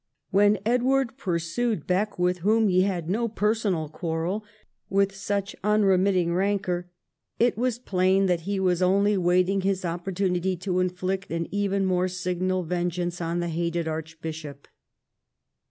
When Edward pursued Bek, Avith whom he had no personal quarrel, with such unremitting rancour, it was plain that he was only waiting his opportunity to inflict an even more signal vengeance on the hated archbishop.